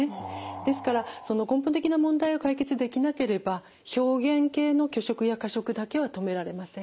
ですから根本的な問題を解決できなければ表現型の拒食や過食だけは止められません。